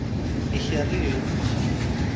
Ikeri-w?